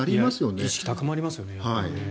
意識高まりますよね。